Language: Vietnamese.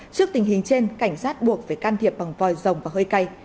trước tình hình trên cảnh sát buộc phải can thiệp bằng vòi rồng và hơi cay